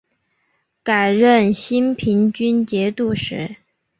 改任兴平军节度使。